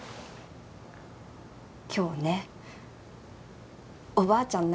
今日ねおばあちゃん